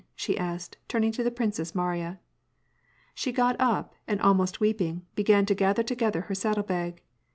" she asked, turning to the Princess Mariya. She got up, and almost weeping, l)egan to gather together her saddlo bag.